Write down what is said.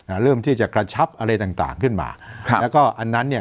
อ่าเริ่มที่จะกระชับอะไรต่างต่างขึ้นมาครับแล้วก็อันนั้นเนี่ย